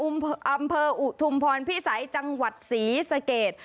อำเภออุทุมพรพิสัยจังหวัดศรีสเกต